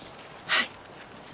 はい。